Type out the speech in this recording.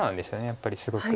やっぱりすごく。